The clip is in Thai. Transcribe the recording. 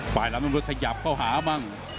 ฝ่ายล้ำมือขยับเข้าหาบ้าง